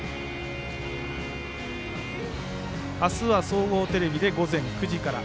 明日は総合テレビで午前９時から。